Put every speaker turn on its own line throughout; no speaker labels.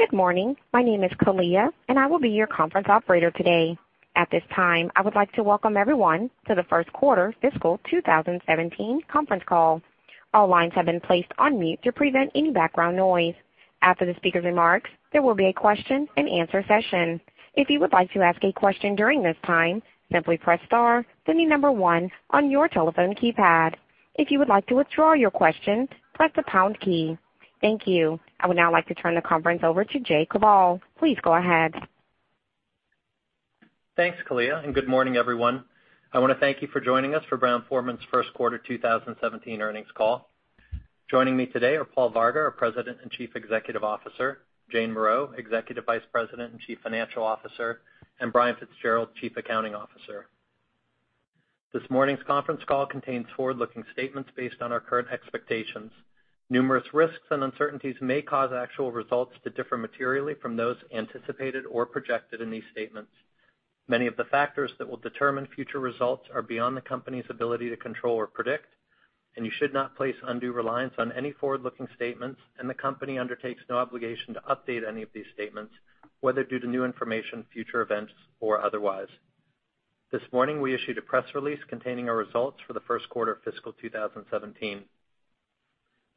Good morning. My name is Khalia, and I will be your conference operator today. At this time, I would like to welcome everyone to the first quarter fiscal 2017 conference call. All lines have been placed on mute to prevent any background noise. After the speaker's remarks, there will be a question and answer session. If you would like to ask a question during this time, simply press star, then the number 1 on your telephone keypad. If you would like to withdraw your question, press the pound key. Thank you. I would now like to turn the conference over to Jay Koval. Please go ahead.
Thanks, Khalia. Good morning, everyone. I want to thank you for joining us for Brown-Forman's first quarter 2017 earnings call. Joining me today are Paul Varga, our President and Chief Executive Officer; Jane Morreau, Executive Vice President and Chief Financial Officer; and Brian Fitzgerald, Chief Accounting Officer. This morning's conference call contains forward-looking statements based on our current expectations. Numerous risks and uncertainties may cause actual results to differ materially from those anticipated or projected in these statements. Many of the factors that will determine future results are beyond the company's ability to control or predict, and you should not place undue reliance on any forward-looking statements. The company undertakes no obligation to update any of these statements, whether due to new information, future events, or otherwise. This morning, we issued a press release containing our results for the first quarter of fiscal 2017.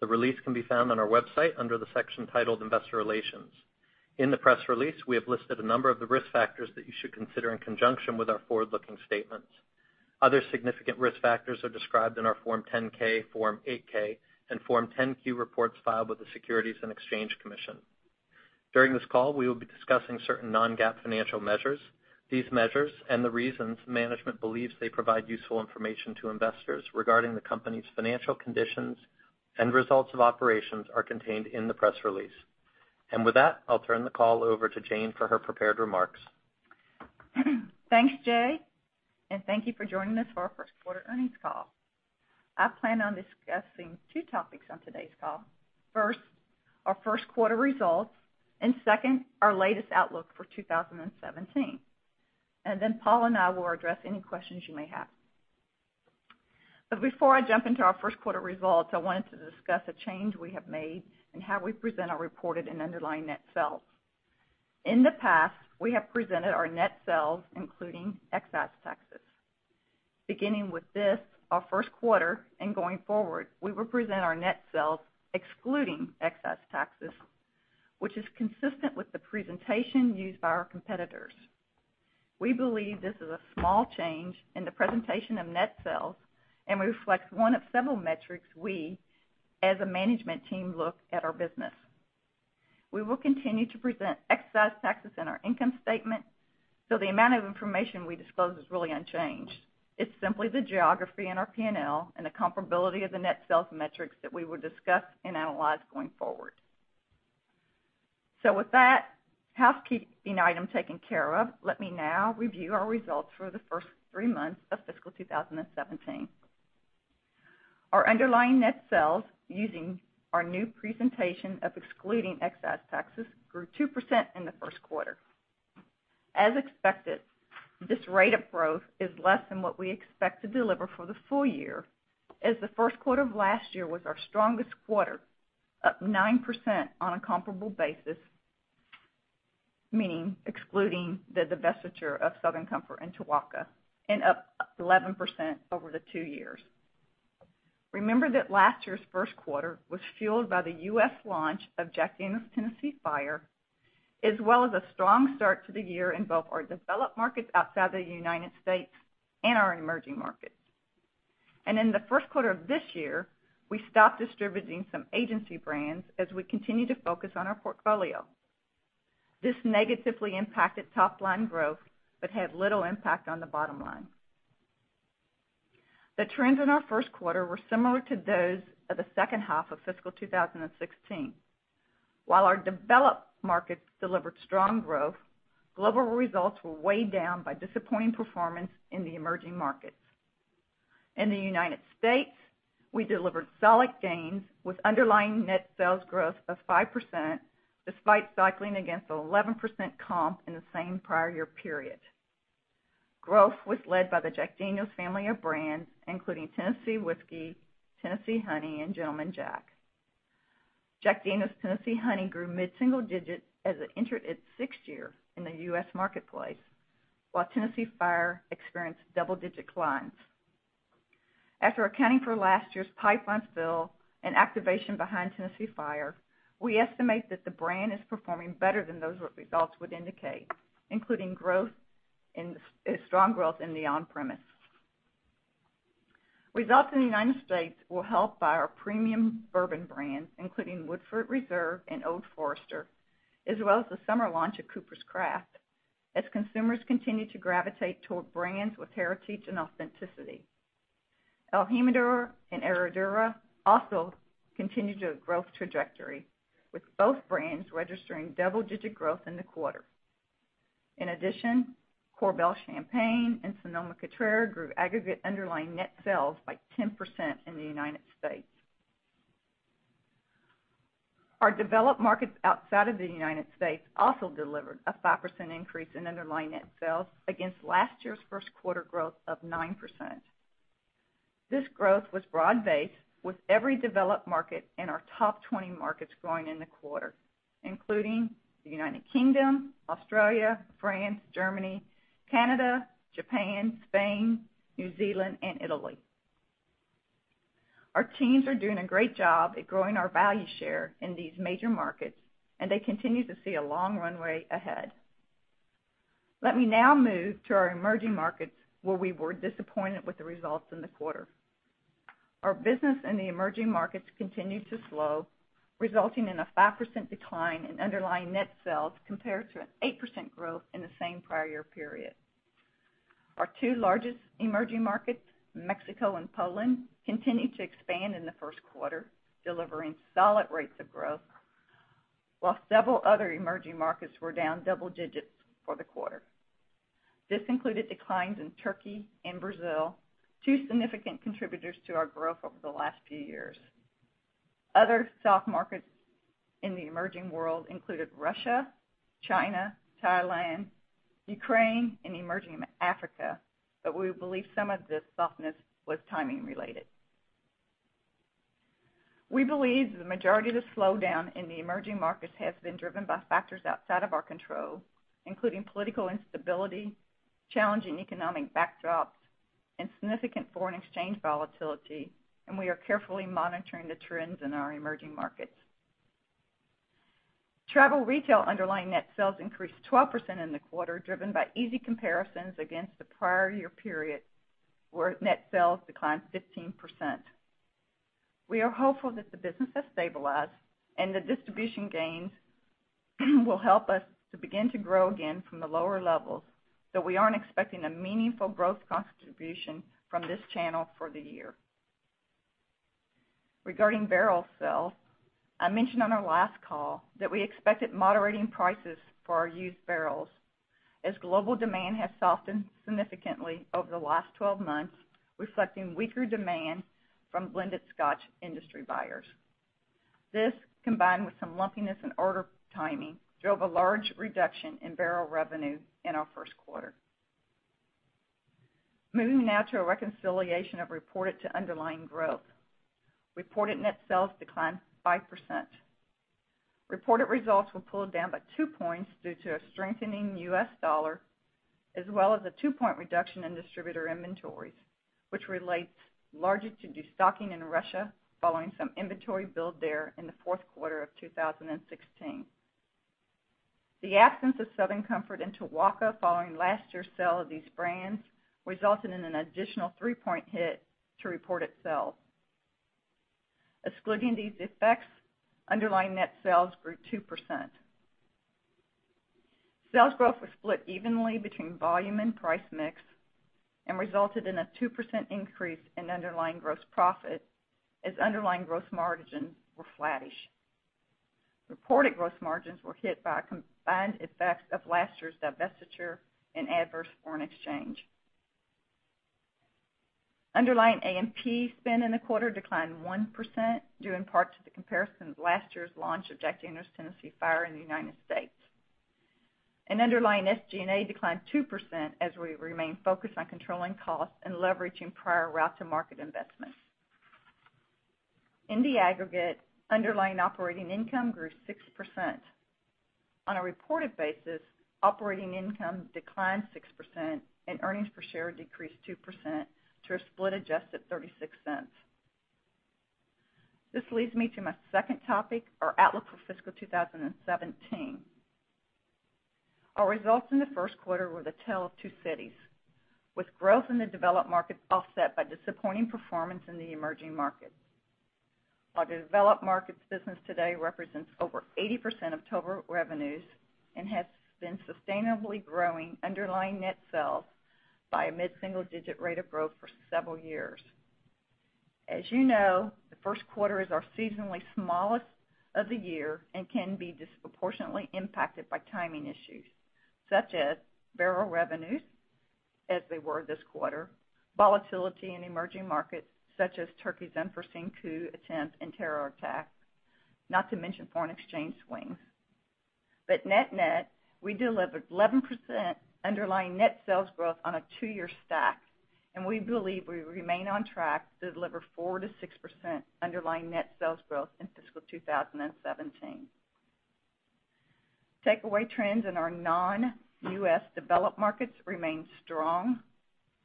The release can be found on our website under the section titled Investor Relations. In the press release, we have listed a number of the risk factors that you should consider in conjunction with our forward-looking statements. Other significant risk factors are described in our Form 10-K, Form 8-K, and Form 10-Q reports filed with the Securities and Exchange Commission. During this call, we will be discussing certain non-GAAP financial measures. These measures and the reasons management believes they provide useful information to investors regarding the company's financial conditions and results of operations are contained in the press release. With that, I'll turn the call over to Jane for her prepared remarks.
Thanks, Jay. Thank you for joining us for our first quarter earnings call. I plan on discussing 2 topics on today's call. First, our first quarter results, second, our latest outlook for 2017. Paul and I will address any questions you may have. Before I jump into our first quarter results, I wanted to discuss a change we have made in how we present our reported and underlying net sales. In the past, we have presented our net sales including excise taxes. Beginning with this, our first quarter and going forward, we will present our net sales excluding excise taxes, which is consistent with the presentation used by our competitors. We believe this is a small change in the presentation of net sales, reflects 1 of several metrics we as a management team look at our business. We will continue to present excise taxes in our income statement, the amount of information we disclose is really unchanged. It's simply the geography in our P&L and the comparability of the net sales metrics that we will discuss and analyze going forward. With that housekeeping item taken care of, let me now review our results for the first three months of fiscal 2017. Our underlying net sales using our new presentation of excluding excise taxes grew 2% in the first quarter. As expected, this rate of growth is less than what we expect to deliver for the full year, as the first quarter of last year was our strongest quarter, up 9% on a comparable basis, meaning excluding the divestiture of Southern Comfort and Tuaca, and up 11% over the two years. Remember that last year's first quarter was fueled by the U.S. launch of Jack Daniel's Tennessee Fire, as well as a strong start to the year in both our developed markets outside the United States and our emerging markets. In the first quarter of this year, we stopped distributing some agency brands as we continue to focus on our portfolio. This negatively impacted top-line growth but had little impact on the bottom line. The trends in our first quarter were similar to those of the second half of fiscal 2016. While our developed markets delivered strong growth, global results were weighed down by disappointing performance in the emerging markets. In the United States, we delivered solid gains with underlying net sales growth of 5%, despite cycling against an 11% comp in the same prior year period. Growth was led by the Jack Daniel's family of brands, including Tennessee Whiskey, Tennessee Honey, and Gentleman Jack. Jack Daniel's Tennessee Honey grew mid-single digits as it entered its sixth year in the U.S. marketplace. While Tennessee Fire experienced double-digit declines. After accounting for last year's pipeline fill and activation behind Tennessee Fire, we estimate that the brand is performing better than those results would indicate, including strong growth in the on-premise. Results in the United States were helped by our premium bourbon brands, including Woodford Reserve and Old Forester, as well as the summer launch of Coopers' Craft, as consumers continue to gravitate toward brands with heritage and authenticity. el Jimador and Herradura also continued their growth trajectory, with both brands registering double-digit growth in the quarter. In addition, Korbel Champagne and Sonoma-Cutrer grew aggregate underlying net sales by 10% in the United States. Our developed markets outside of the United States also delivered a 5% increase in underlying net sales against last year's first quarter growth of 9%. This growth was broad-based with every developed market in our top 20 markets growing in the quarter, including the U.K., Australia, France, Germany, Canada, Japan, Spain, New Zealand, and Italy. Our teams are doing a great job at growing our value share in these major markets, and they continue to see a long runway ahead. Let me now move to our emerging markets, where we were disappointed with the results in the quarter. Our business in the emerging markets continued to slow, resulting in a 5% decline in underlying net sales compared to an 8% growth in the same prior year period. Our two largest emerging markets, Mexico and Poland, continued to expand in the first quarter, delivering solid rates of growth, while several other emerging markets were down double digits for the quarter. This included declines in Turkey and Brazil, two significant contributors to our growth over the last few years. Other soft markets in the emerging world included Russia, China, Thailand, Ukraine, and emerging Africa, but we believe some of this softness was timing related. We believe that the majority of the slowdown in the emerging markets has been driven by factors outside of our control, including political instability, challenging economic backdrops, and significant foreign exchange volatility, and we are carefully monitoring the trends in our emerging markets. Travel retail underlying net sales increased 12% in the quarter, driven by easy comparisons against the prior year period, where net sales declined 15%. We are hopeful that the business has stabilized, and the distribution gains will help us to begin to grow again from the lower levels, though we aren't expecting a meaningful growth contribution from this channel for the year. Regarding barrel sales, I mentioned on our last call that we expected moderating prices for our used barrels as global demand has softened significantly over the last 12 months, reflecting weaker demand from blended Scotch industry buyers. This, combined with some lumpiness in order timing, drove a large reduction in barrel revenue in our first quarter. Moving now to a reconciliation of reported to underlying growth. Reported net sales declined 5%. Reported results were pulled down by two points due to a strengthening U.S. dollar, as well as a two-point reduction in distributor inventories, which relates largely to de-stocking in Russia following some inventory build there in the fourth quarter of 2016. The absence of Southern Comfort and Tuaca following last year's sale of these brands resulted in an additional three-point hit to reported sales. Excluding these effects, underlying net sales grew 2%. Sales growth was split evenly between volume and price mix and resulted in a 2% increase in underlying gross profit as underlying gross margins were flattish. Reported gross margins were hit by a combined effect of last year's divestiture and adverse foreign exchange. Underlying A&P spend in the quarter declined 1% due in part to the comparison of last year's launch of Jack Daniel's Tennessee Fire in the United States. Underlying SG&A declined 2% as we remain focused on controlling costs and leveraging prior route to market investments. In the aggregate, underlying operating income grew 6%. On a reported basis, operating income declined 6% and earnings per share decreased 2% to a split adjusted $0.36. This leads me to my second topic, our outlook for fiscal 2017. Our results in the first quarter were the Tale of Two Cities, with growth in the developed markets offset by disappointing performance in the emerging markets. Our developed markets business today represents over 80% of total revenues and has been sustainably growing underlying net sales by a mid-single-digit rate of growth for several years. As you know, the first quarter is our seasonally smallest of the year and can be disproportionately impacted by timing issues, such as barrel revenues, as they were this quarter, volatility in emerging markets such as Turkey's unforeseen coup attempt and terror attacks, not to mention foreign exchange swings. Net-net, we delivered 11% underlying net sales growth on a two-year stack, and we believe we remain on track to deliver 4%-6% underlying net sales growth in fiscal 2017. Takeaway trends in our non-U.S. developed markets remain strong,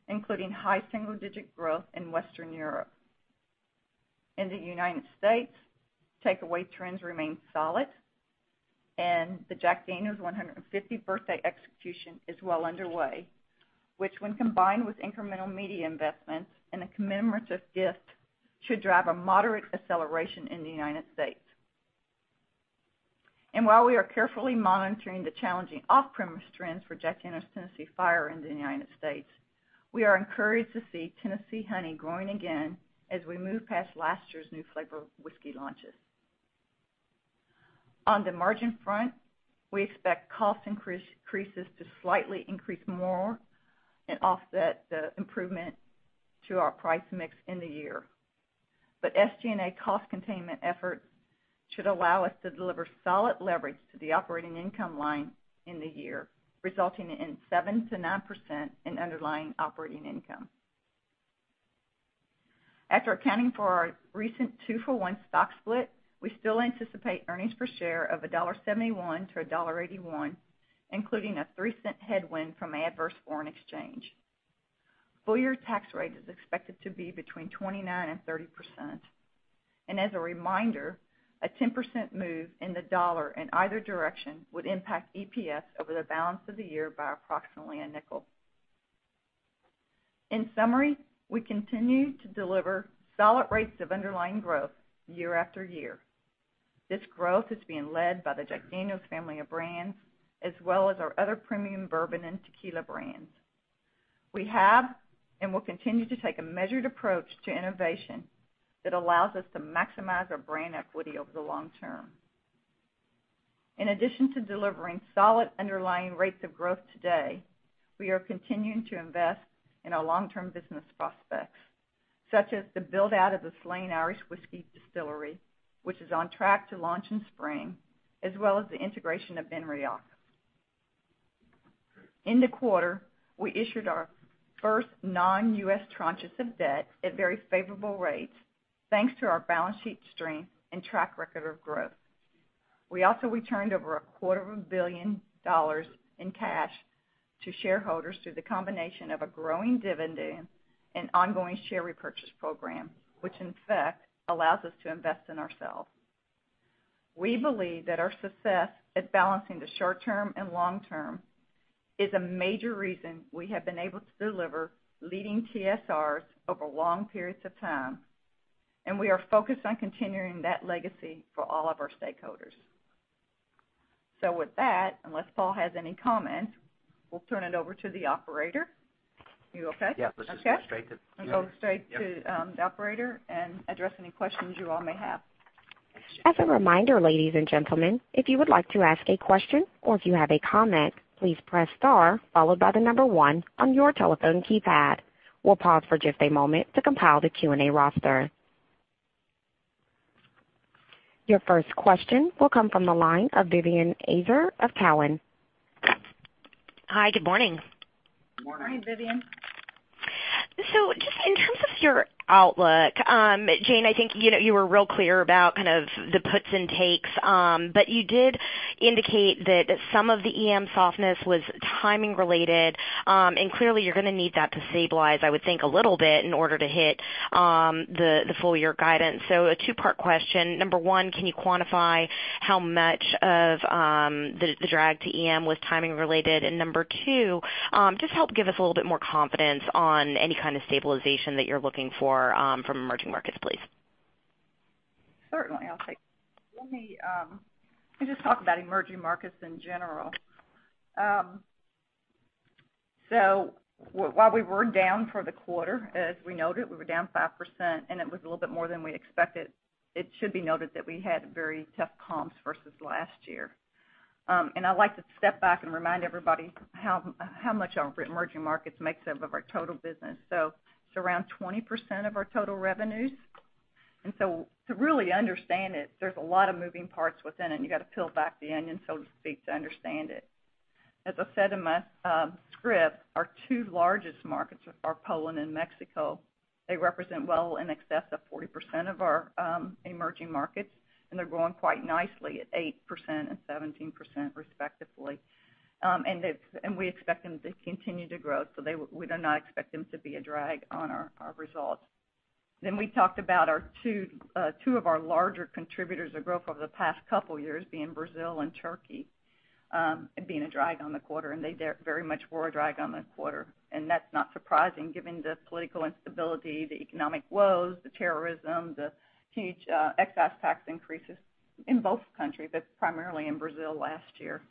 including high single-digit growth in Western Europe. In the U.S., takeaway trends remain solid, the Jack Daniel's 150 birthday execution is well underway, which when combined with incremental media investments and a commemorative gift, should drive a moderate acceleration in the U.S. While we are carefully monitoring the challenging off-premise trends for Jack Daniel's Tennessee Fire in the U.S., we are encouraged to see Tennessee Honey growing again as we move past last year's new flavor whiskey launches. On the margin front, we expect cost increases to slightly increase more and offset the improvement to our price mix in the year. SG&A cost containment effort should allow us to deliver solid leverage to the operating income line in the year, resulting in 7%-9% in underlying operating income. After accounting for our recent two-for-one stock split, we still anticipate earnings per share of $1.71-$1.81, including a $0.03 headwind from adverse foreign exchange. Full year tax rate is expected to be between 29%-30%. As a reminder, a 10% move in the dollar in either direction would impact EPS over the balance of the year by approximately a $0.05. In summary, we continue to deliver solid rates of underlying growth year after year. This growth is being led by the Jack Daniel's family of brands, as well as our other premium bourbon and tequila brands. We have, and will continue to take a measured approach to innovation that allows us to maximize our brand equity over the long term. In addition to delivering solid underlying rates of growth today, we are continuing to invest in our long-term business prospects, such as the build-out of the Slane Irish Whiskey distillery, which is on track to launch in spring, as well as the integration of BenRiach. In the quarter, we issued our first non-U.S. tranches of debt at very favorable rates, thanks to our balance sheet strength and track record of growth. We also returned over a quarter of a billion dollars in cash to shareholders through the combination of a growing dividend and ongoing share repurchase program, which in fact, allows us to invest in ourselves. We believe that our success at balancing the short term and long term is a major reason we have been able to deliver leading TSRs over long periods of time, we are focused on continuing that legacy for all of our stakeholders. With that, unless Paul has any comments, we'll turn it over to the operator. You okay?
Yeah.
Okay.
Let's just go straight to-
We go straight to-
Yep
the operator and address any questions you all may have.
As a reminder, ladies and gentlemen, if you would like to ask a question or if you have a comment, please press star followed by the number one on your telephone keypad. We'll pause for just a moment to compile the Q&A roster. Your first question will come from the line of Vivien Azer of Cowen.
Hi, good morning.
Good morning.
Hi, Vivien.
Just in terms of your outlook, Jane, I think you were real clear about kind of the puts and takes. You did indicate that some of the EM softness was timing related, and clearly, you're going to need that to stabilize, I would think a little bit, in order to hit the full year guidance. A two-part question. Number 1, can you quantify how much of the drag to EM was timing related? Number 2, just help give us a little bit more confidence on any kind of stabilization that you're looking for from emerging markets, please.
Certainly. I'll take that. Let me just talk about emerging markets in general. While we were down for the quarter, as we noted, we were down 5%, and it was a little bit more than we expected, it should be noted that we had very tough comps versus last year. I'd like to step back and remind everybody how much our emerging markets makes up of our total business. It's around 20% of our total revenues. To really understand it, there's a lot of moving parts within it, and you got to peel back the onion, so to speak, to understand it. As I said in my script, our two largest markets are Poland and Mexico. They represent well in excess of 40% of our emerging markets, and they're growing quite nicely at 8% and 17% respectively. We expect them to continue to grow, so we do not expect them to be a drag on our results. We talked about two of our larger contributors of growth over the past couple years being Brazil and Turkey, and being a drag on the quarter. They very much were a drag on the quarter, and that's not surprising given the political instability, the economic woes, the terrorism, the huge excise tax increases in both countries, but primarily in Brazil last year.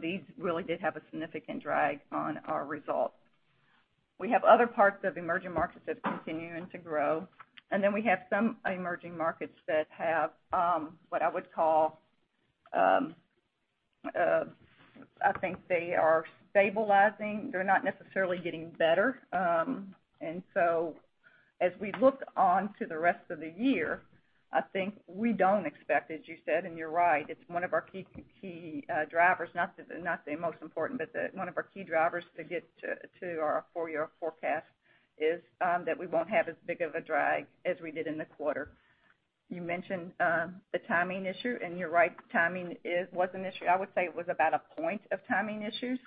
These really did have a significant drag on our results. We have other parts of emerging markets that's continuing to grow. We have some emerging markets that have, what I would call, I think they are stabilizing. They're not necessarily getting better. As we look on to the rest of the year, I think we don't expect, as you said, and you're right, it's one of our key drivers, not the most important, but one of our key drivers to get to our full year forecast is that we won't have as big of a drag as we did in the quarter. You mentioned the timing issue, and you're right, timing was an issue. I would say it was about a point of timing issues.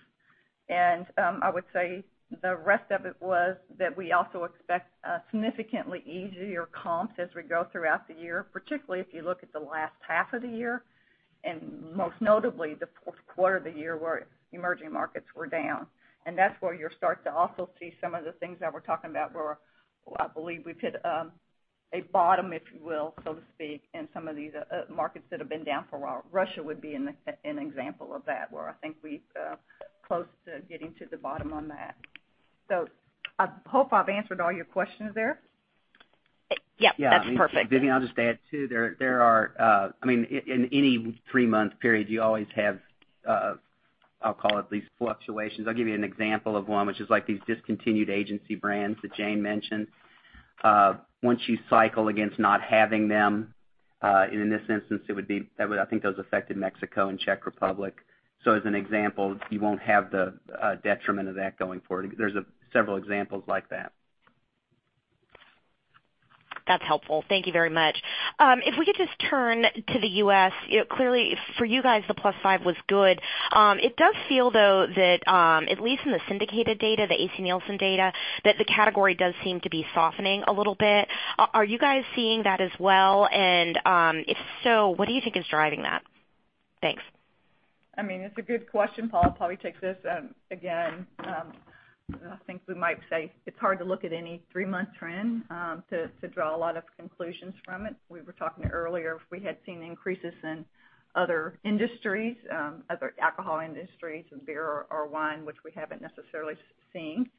I would say the rest of it was that we also expect a significantly easier comps as we go throughout the year, particularly if you look at the last half of the year, and most notably the fourth quarter of the year where emerging markets were down. That's where you'll start to also see some of the things that we're talking about where I believe we've hit a bottom, if you will, so to speak, in some of these markets that have been down for a while. Russia would be an example of that, where I think we're close to getting to the bottom on that. I hope I've answered all your questions there.
Yep. That's perfect.
Yeah. Vivien, I'll just add, too, in any three-month period, you always have I'll call it these fluctuations. I'll give you an example of one, which is these discontinued agency brands that Jane mentioned. Once you cycle against not having them, and in this instance, I think those affected Mexico and Czech Republic. As an example, you won't have the detriment of that going forward. There's several examples like that.
That's helpful. Thank you very much. If we could just turn to the U.S., clearly for you guys, the plus five was good. It does feel, though, that at least in the syndicated data, the A.C. Nielsen data, that the category does seem to be softening a little bit. Are you guys seeing that as well? If so, what do you think is driving that? Thanks.
It's a good question. Paul will probably take this. Again, I think we might say it's hard to look at any three-month trend to draw a lot of conclusions from it. We were talking earlier, if we had seen increases in other industries, other alcohol industries, beer or wine, which we haven't necessarily seen,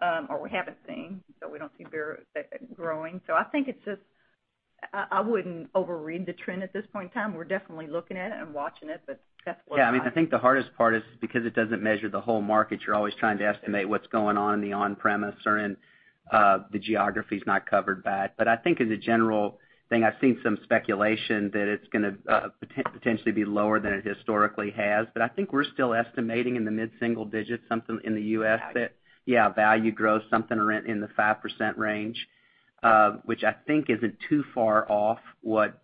or we haven't seen, we don't see beer growing. I think I wouldn't overread the trend at this point in time. We're definitely looking at it and watching it, but that's where we're at.
Yeah, I think the hardest part is because it doesn't measure the whole market, you're always trying to estimate what's going on in the on-premise or in the geographies not covered by it. I think as a general thing, I've seen some speculation that it's going to potentially be lower than it historically has. I think we're still estimating in the mid-single digits something in the U.S. that.
Value.
Yeah, value growth, something in the 5% range, which I think isn't too far off what.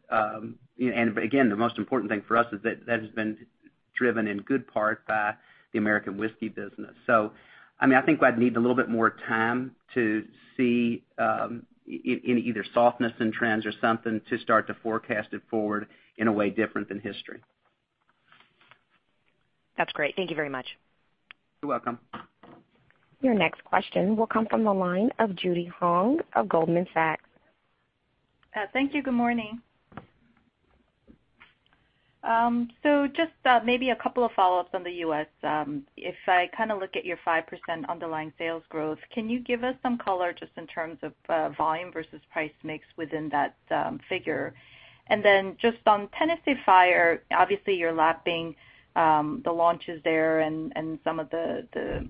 Again, the most important thing for us is that has been driven in good part by the American whiskey business. I think I'd need a little bit more time to see any either softness in trends or something to start to forecast it forward in a way different than history.
That's great. Thank you very much.
You're welcome.
Your next question will come from the line of Judy Hong of Goldman Sachs.
Thank you. Good morning. Just maybe a couple of follow-ups on the U.S. If I look at your 5% underlying sales growth, can you give us some color just in terms of volume versus price mix within that figure? And then just on Tennessee Fire, obviously you're lapping the launches there and some of the,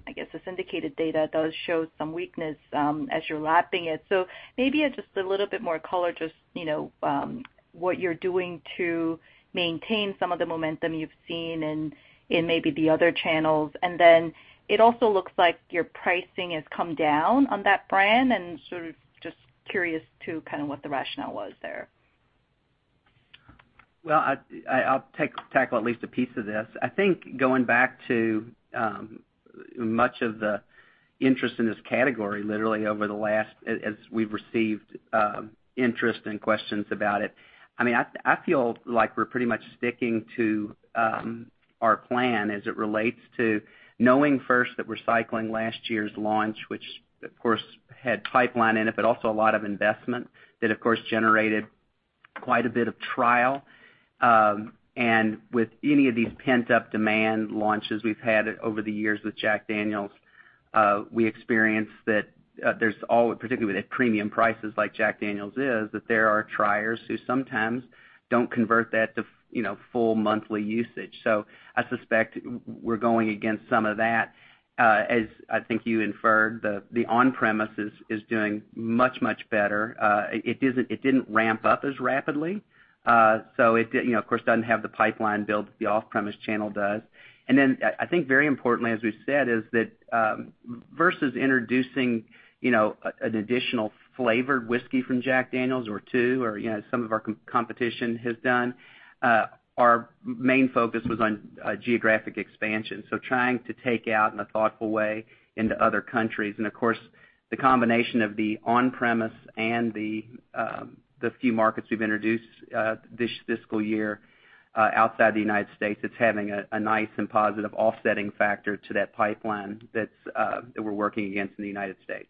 I guess, the syndicated data does show some weakness as you're lapping it. Maybe just a little bit more color, just what you're doing to maintain some of the momentum you've seen in maybe the other channels. And then it also looks like your pricing has come down on that brand, and sort of just curious to kind of what the rationale was there.
Well, I'll tackle at least a piece of this. I think going back to much of the interest in this category, literally over the last, as we've received interest and questions about it. I feel like we're pretty much sticking to our plan as it relates to knowing first that we're cycling last year's launch, which of course had pipeline in it, but also a lot of investment that of course generated quite a bit of trial. And with any of these pent-up demand launches we've had over the years with Jack Daniel's, we experienced that there's all, particularly with premium prices like Jack Daniel's is, that there are triers who sometimes don't convert that to full monthly usage. I suspect we're going against some of that. As I think you inferred, the on-premise is doing much, much better. It didn't ramp up as rapidly. It, of course, doesn't have the pipeline build that the off-premise channel does. Then I think very importantly, as we've said, is that versus introducing an additional flavored whiskey from Jack Daniel's or two, or as some of our competition has done, our main focus was on geographic expansion. Trying to take out in a thoughtful way into other countries. Of course, the combination of the on-premise and the few markets we've introduced this fiscal year outside the United States, it's having a nice and positive offsetting factor to that pipeline that we're working against in the United States.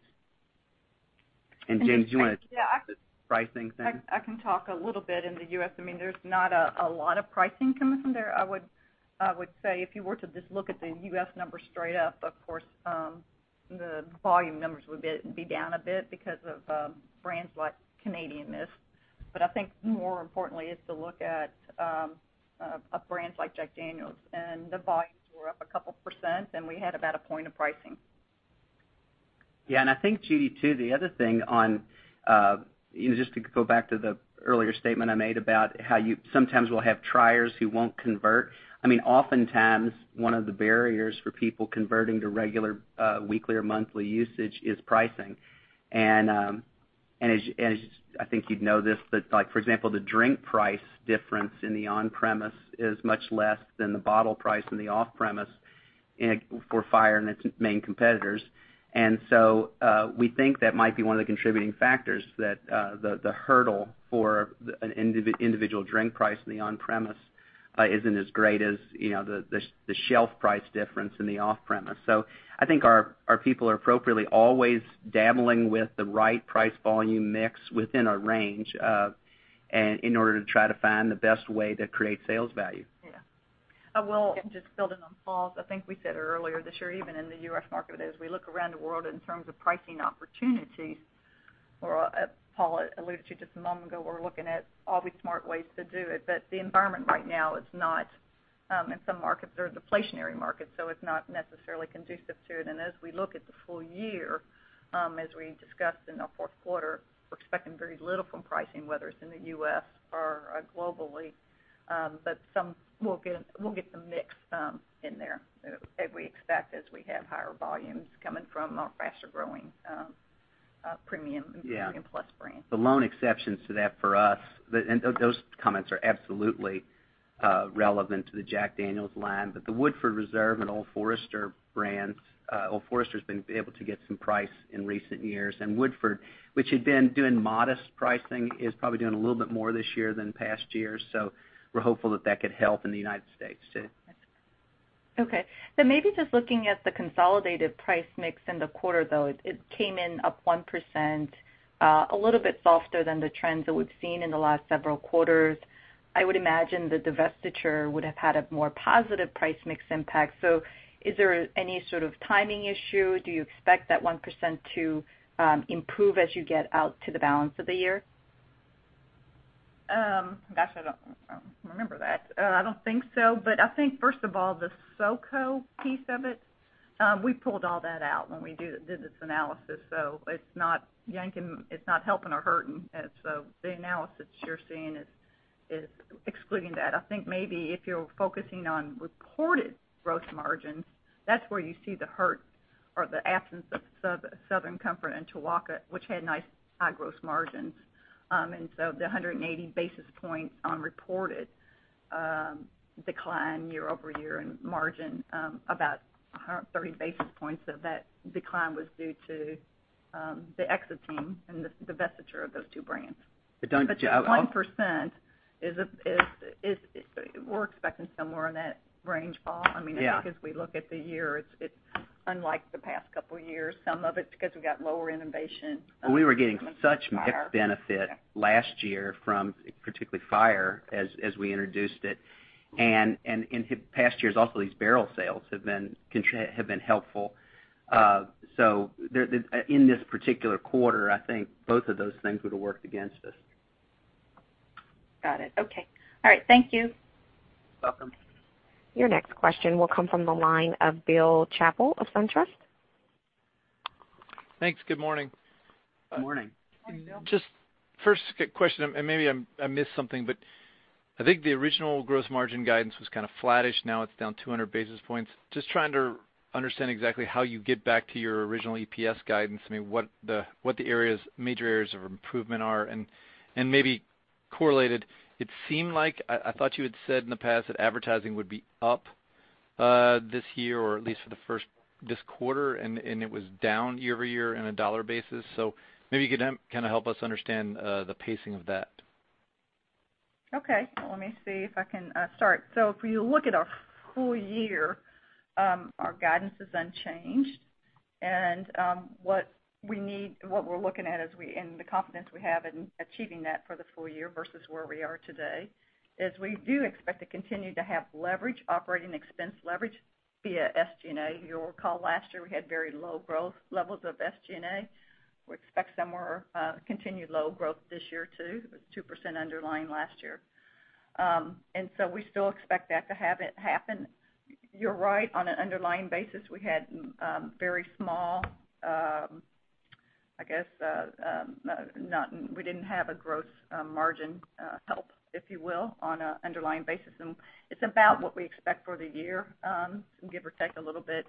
Jane, do you want to talk to the pricing thing?
I can talk a little bit in the U.S. There's not a lot of pricing coming from there. I would say if you were to just look at the U.S. numbers straight up, of course, the volume numbers would be down a bit because of brands like Canadian Mist. I think more importantly is to look at brands like Jack Daniel's, and the volumes were up a couple percent, and we had about a point of pricing.
I think, Judy, too, the other thing on, just to go back to the earlier statement I made about how you sometimes will have triers who won't convert. Oftentimes, one of the barriers for people converting to regular weekly or monthly usage is pricing. As I think you'd know this, but like for example, the drink price difference in the on-premise is much less than the bottle price in the off-premise for Fire and its main competitors. We think that might be one of the contributing factors that the hurdle for an individual drink price in the on-premise isn't as great as the shelf price difference in the off-premise. I think our people are appropriately always dabbling with the right price volume mix within a range in order to try to find the best way to create sales value.
Well, just building on Paul's, I think we said earlier this year, even in the U.S. market, as we look around the world in terms of pricing opportunities Paul alluded to just a moment ago, we're looking at all the smart ways to do it, the environment right now is not, in some markets, they're a deflationary market, it's not necessarily conducive to it. As we look at the full year, as we discussed in our fourth quarter, we're expecting very little from pricing, whether it's in the U.S. or globally. Some will get the mix in there, as we expect, as we have higher volumes coming from our faster-growing premium-
Yeah
premium plus brands.
The lone exceptions to that for us, and those comments are absolutely relevant to the Jack Daniel's, but the Woodford Reserve, an Old Forester brand. Old Forester's been able to get some price in recent years, and Woodford, which had been doing modest pricing, is probably doing a little bit more this year than past years. We're hopeful that that could help in the U.S., too.
Okay. Maybe just looking at the consolidated price mix in the quarter, though, it came in up 1%, a little bit softer than the trends that we've seen in the last several quarters. I would imagine the divestiture would have had a more positive price mix impact. Is there any sort of timing issue? Do you expect that 1% to improve as you get out to the balance of the year? Gosh, I don't remember that. I don't think so. I think first of all, the SoCo piece of it, we pulled all that out when we did this analysis, so it's not helpin' or hurtin'. The analysis you're seeing is excluding that.
I think maybe if you're focusing on reported gross margins, that's where you see the hurt or the absence of Southern Comfort and Tuaca, which had nice high gross margins. The 180 basis points on reported decline year-over-year in margin, about 130 basis points of that decline was due to the exiting and the divestiture of those two brands.
Don't you-
The 1% is, we're expecting somewhere in that range, Paul.
Yeah.
I mean, I think as we look at the year, it's unlike the past couple of years. Some of it's because we've got lower innovation.
We were getting such mix benefit last year from particularly Fire as we introduced it. In past years also, these barrel sales have been helpful. In this particular quarter, I think both of those things would've worked against us.
Got it, okay. All right, thank you.
You're welcome.
Your next question will come from the line of Bill Chappell of SunTrust.
Thanks. Good morning.
Morning.
Morning, Bill.
First question, maybe I missed something, but I think the original gross margin guidance was kind of flattish, now it's down 200 basis points. Trying to understand exactly how you get back to your original EPS guidance. Maybe what the major areas of improvement are? Maybe correlated, it seemed like, I thought you had said in the past that advertising would be up this year, or at least for this quarter, it was down year-over-year on a dollar basis. Maybe you could help us understand the pacing of that.
Let me see if I can start. If you look at our full year, our guidance is unchanged. What we're looking at and the confidence we have in achieving that for the full year versus where we are today, is we do expect to continue to have leverage, operating expense leverage via SG&A. You'll recall last year we had very low growth levels of SG&A. We expect continued low growth this year too. It was 2% underlying last year. We still expect that to happen. You're right, on an underlying basis, we had very small, we didn't have a gross margin help, if you will, on an underlying basis. It's about what we expect for the year, give or take a little bit.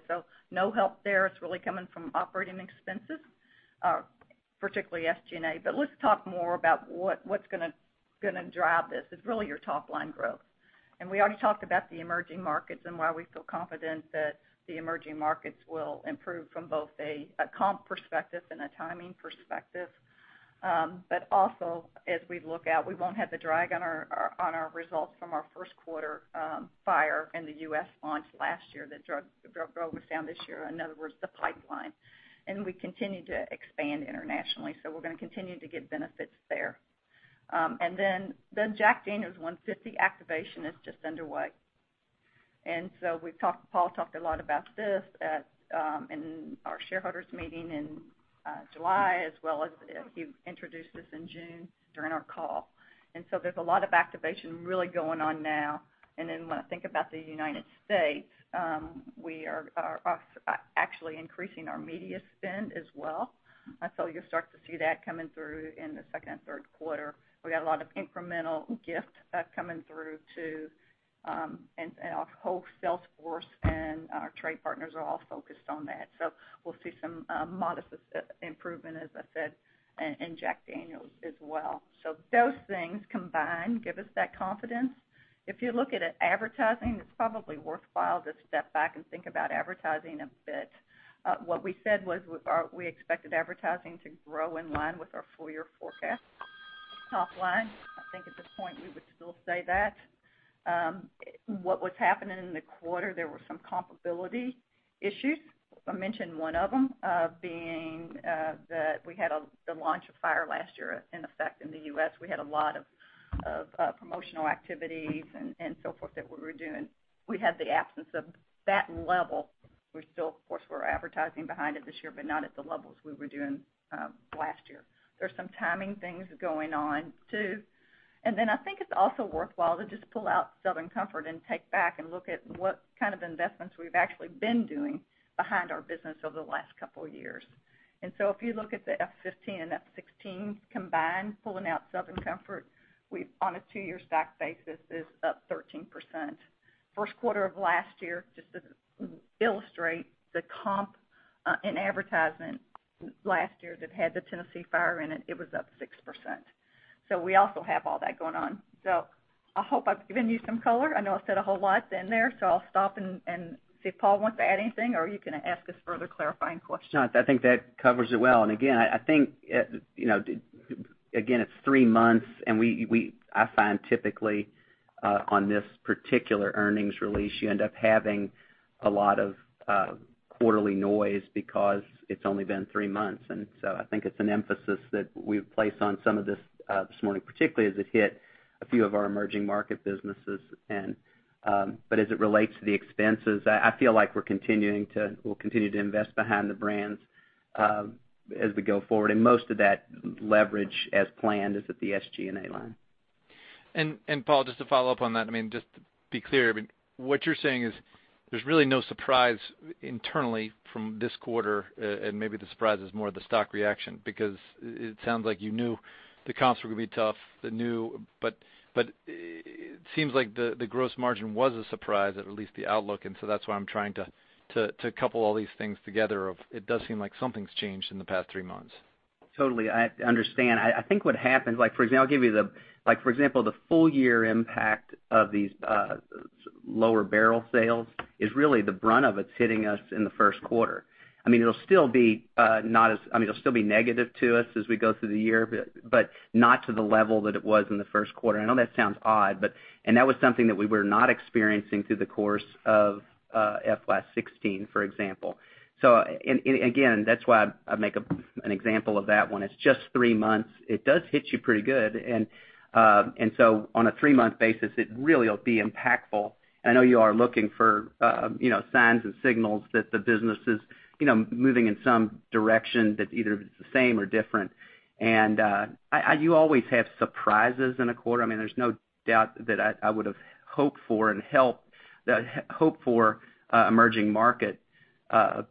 No help there. It's really coming from operating expenses, particularly SG&A. Let's talk more about what's going to drive this. It's really your top-line growth. We already talked about the emerging markets and why we feel confident that the emerging markets will improve from both a comp perspective and a timing perspective. Also, as we look out, we won't have the drag on our results from our first quarter, Fire in the U.S. launch last year that drove growth down this year. In other words, the pipeline. We continue to expand internationally, so we're going to continue to get benefits there. Then Jack Daniel's 150 activation is just underway. Paul talked a lot about this in our shareholders meeting in July, as well as he introduced this in June during our call. There's a lot of activation really going on now. When I think about the United States, we are actually increasing our media spend as well. You'll start to see that coming through in the second and third quarter. We've got a lot of incremental gift coming through, too. Our whole sales force and our trade partners are all focused on that. We'll see some modest improvement, as I said, in Jack Daniel's as well. Those things combined give us that confidence. If you look at advertising, it's probably worthwhile to step back and think about advertising a bit. What we said was, we expected advertising to grow in line with our full year forecast. Top line. I think at this point, we would still say that. What was happening in the quarter, there were some comparability issues. I mentioned one of them being that we had the launch of Tennessee Fire last year in effect in the U.S. We had a lot of promotional activities and so forth that we were doing. We had the absence of that level. Of course, we're advertising behind it this year, but not at the levels we were doing last year. There's some timing things going on, too. I think it's also worthwhile to just pull out Southern Comfort and take back and look at what kind of investments we've actually been doing behind our business over the last couple of years. If you look at the F15 and F16 combined, pulling out Southern Comfort, on a two-year stack basis is up 13%. First quarter of last year, just to illustrate the comp in advertisement last year that had the Tennessee Fire in it was up 6%. We also have all that going on. I hope I've given you some color. I know I said a whole lot then there, so I'll stop and see if Paul wants to add anything, or are you going to ask us further clarifying questions?
No, I think that covers it well. Again, I think it's three months, and I find typically, on this particular earnings release, you end up having a lot of quarterly noise because it's only been three months. I think it's an emphasis that we've placed on some of this morning, particularly as it hit a few of our emerging market businesses. As it relates to the expenses, I feel like we'll continue to invest behind the brands as we go forward. Most of that leverage, as planned, is at the SG&A line.
Paul, just to follow up on that, just to be clear, what you're saying is there's really no surprise internally from this quarter, and maybe the surprise is more the stock reaction because it sounds like you knew the comps were going to be tough. It seems like the gross margin was a surprise, at least the outlook, that's why I'm trying to couple all these things together. It does seem like something's changed in the past three months.
Totally. I understand. I think what happens, for example, the full year impact of these lower barrel sales is really the brunt of it's hitting us in the first quarter. It'll still be negative to us as we go through the year, but not to the level that it was in the first quarter. I know that sounds odd, and that was something that we were not experiencing through the course of FY 2016, for example. Again, that's why I make an example of that one. It's just three months. It does hit you pretty good. On a three-month basis, it really will be impactful. I know you are looking for signs and signals that the business is moving in some direction that's either the same or different. You always have surprises in a quarter. There's no doubt that I would have hoped for emerging market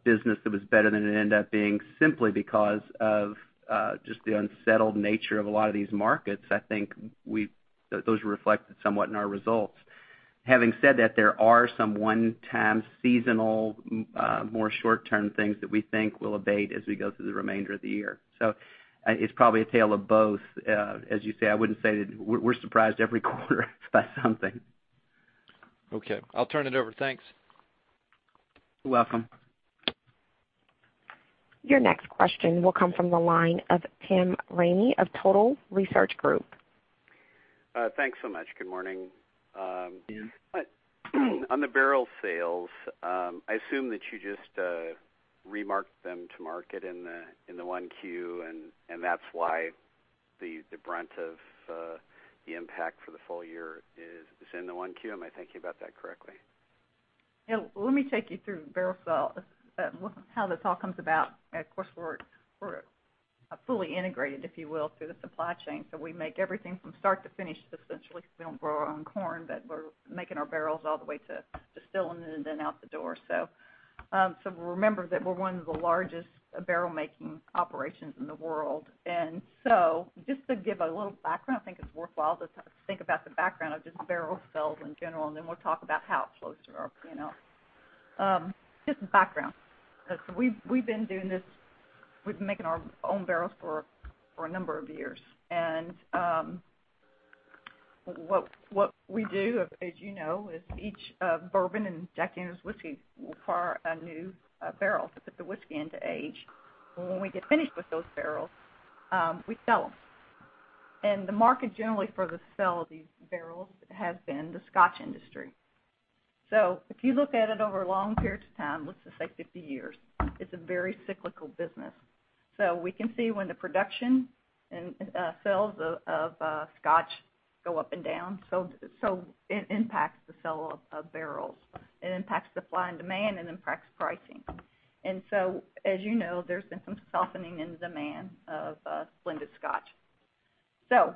business that was better than it ended up being, simply because of just the unsettled nature of a lot of these markets. I think those reflected somewhat in our results. Having said that, there are some one-time seasonal, more short-term things that we think will abate as we go through the remainder of the year. It's probably a tale of both, as you say. We're surprised every quarter by something.
I'll turn it over. Thanks.
You're welcome.
Your next question will come from the line of Tim Raney of Total Research Group.
Thanks so much. Good morning.
Yeah.
On the barrel sales, I assume that you just remarked them to market in the 1Q, and that's why the brunt of the impact for the full year is in the 1Q. Am I thinking about that correctly?
Yeah. Let me take you through barrel sales, how this all comes about. Of course, we're fully integrated, if you will, through the supply chain. We make everything from start to finish, essentially, because we don't grow our own corn, but we're making our barrels all the way to distilling it and then out the door. Remember that we're one of the largest barrel-making operations in the world. Just to give a little background, I think it's worthwhile to think about the background of just barrel sales in general, and then we'll talk about how it flows through our P&L. Just background. We've been doing this, we've been making our own barrels for a number of years. What we do, as you know, is each bourbon and Jack Daniel's whiskey require a new barrel to put the whiskey in to age. When we get finished with those barrels, we sell them. The market generally for the sale of these barrels has been the Scotch industry. If you look at it over long periods of time, let's just say 50 years, it's a very cyclical business. We can see when the production and sales of Scotch go up and down, so it impacts the sale of barrels. It impacts the supply and demand, and impacts pricing. As you know, there's been some softening in the demand of blended Scotch.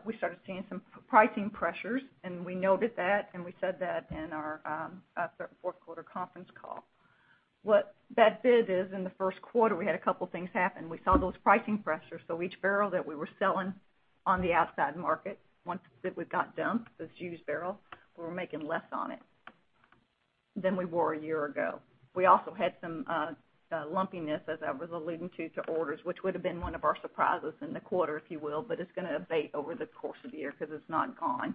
We started seeing some pricing pressures, and we noted that, and we said that in our fourth quarter conference call. What that did is in the first quarter, we had a couple things happen. We saw those pricing pressures, each barrel that we were selling on the outside market, once it was got dumped, this used barrel, we were making less on it than we were a year ago. We also had some lumpiness, as I was alluding to orders, which would've been one of our surprises in the quarter, if you will, but it's going to abate over the course of the year because it's not gone.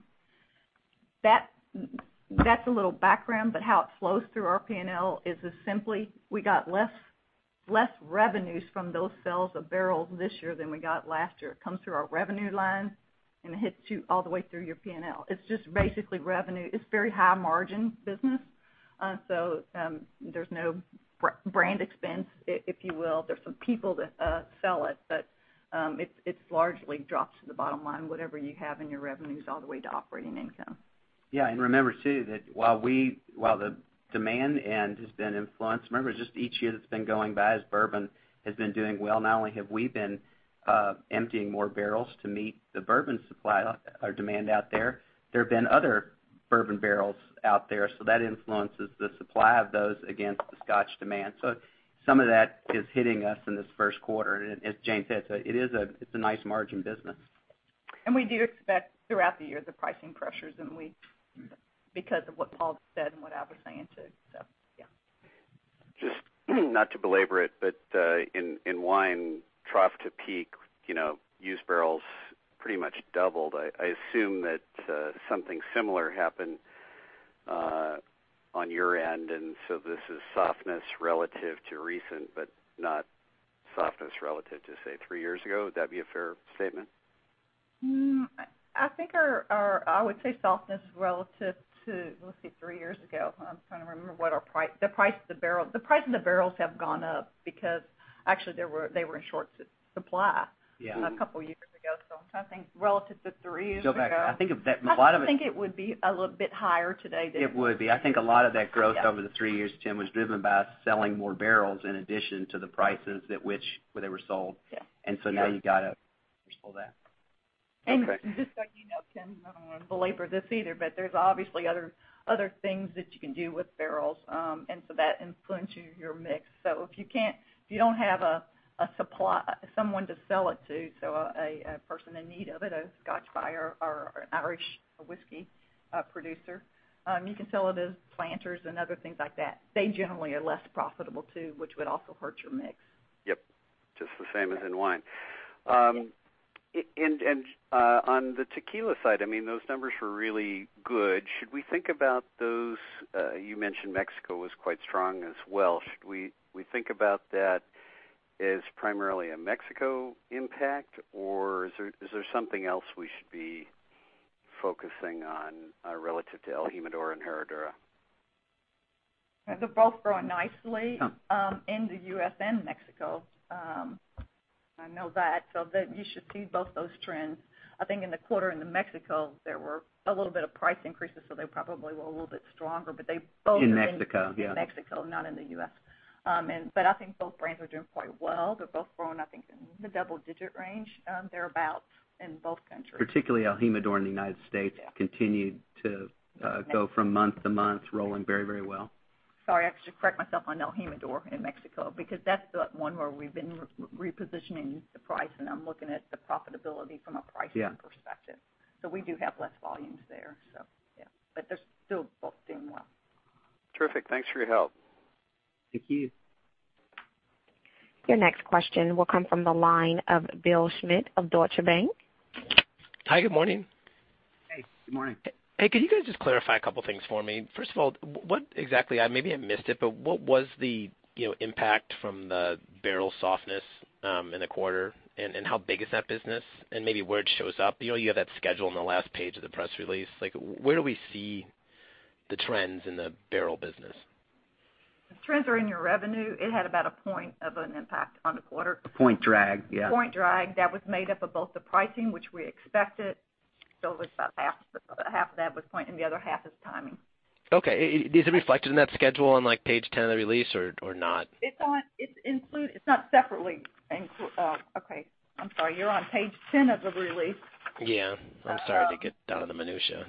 That's a little background, how it flows through our P&L is as simply we got less revenues from those sales of barrels this year than we got last year. It comes through our revenue line, and it hits you all the way through your P&L. It's just basically revenue. It's very high margin business. There's no brand expense, if you will. There's some people that sell it largely drops to the bottom line, whatever you have in your revenues, all the way to operating income.
Yeah. Remember too, that while the demand end has been influenced, remember, just each year that's been going by, as bourbon has been doing well, not only have we been emptying more barrels to meet the bourbon supply or demand out there have been other bourbon barrels out there. That influences the supply of those against the Scotch demand. Some of that is hitting us in this first quarter. As Jane said, it's a nice margin business.
We do expect, throughout the year, the pricing pressures because of what Paul Varga said and what I was saying too.
Just not to belabor it, in wine, trough to peak, used barrels pretty much doubled. I assume that something similar happened on your end, this is softness relative to recent, but not softness relative to, say, three years ago. Would that be a fair statement?
I would say softness relative to, let's see, three years ago. I'm trying to remember the price of the barrels. The price of the barrels have gone up because actually they were in short supply-
Yeah
A couple of years ago, I'm trying to think, relative to three years ago.
Go back. I think a lot of it-
I think it would be a little bit higher today than-
It would be. I think a lot of that growth over the three years, Tim, was driven by us selling more barrels in addition to the prices at which they were sold.
Yeah.
Now you've got to that.
Just so you know, Tim, I don't want to belabor this either, but there's obviously other things that you can do with barrels, and so that influences your mix. If you don't have someone to sell it to, a person in need of it, a Scotch buyer or an Irish whiskey producer, you can sell it as planters and other things like that. They generally are less profitable too, which would also hurt your mix.
Yep. Just the same as in wine.
Yeah.
On the tequila side, those numbers were really good. Should we think about those, you mentioned Mexico was quite strong as well, should we think about that as primarily a Mexico impact, or is there something else we should be focusing on, relative to el Jimador and Herradura?
They're both growing nicely in the U.S. and Mexico. I know that. You should see both those trends. I think in the quarter in the Mexico, there were a little bit of price increases, so they probably were a little bit stronger.
In Mexico, yeah.
in Mexico, not in the U.S. I think both brands are doing quite well. They're both growing, I think, in the double-digit range, thereabout, in both countries.
Particularly El Jimador in the United States continued to go from month-to-month, rolling very well.
Sorry, I should correct myself on El Jimador in Mexico, because that's the one where we've been repositioning the price, and I'm looking at the profitability from a pricing perspective.
Yeah.
We do have less volumes there. Yeah. They're still both doing well.
Terrific. Thanks for your help.
Thank you.
Your next question will come from the line of Bill Schmitz of Deutsche Bank.
Hi, good morning.
Hey, good morning.
Hey, could you guys just clarify a couple of things for me? First of all, maybe I missed it, but what was the impact from the barrel softness in the quarter, and how big is that business, and maybe where it shows up? You have that schedule on the last page of the press release. Where do we see the trends in the barrel business?
The trends are in your revenue. It had about a point of an impact on the quarter.
A point drag, yeah.
Point drag. That was made up of both the pricing, which we expected, so half of that was pricing, and the other half is timing.
Okay. Is it reflected in that schedule on page 10 of the release or not?
It's not separately. Okay. I'm sorry. You're on page 10 of the release.
Yeah. I'm sorry. To get down to the minutia.